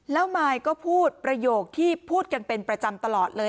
แล้วมายก็พูดประโยคที่พูดกันเป็นประจำตลอดเลย